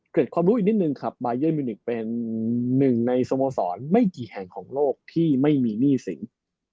เปลี่ยนความรู้อีกนิดนึงครับไบเย็นมีนึกเป็นหนึ่งในสมสรรค์ไม่กี่แห่งของโลกที่ไม่มีหนี้สิง